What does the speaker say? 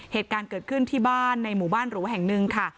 เหตุการณ์เกิดขึ้นที่บ้านในหมู่บ้านหรูแห่งหนึ่งค่ะ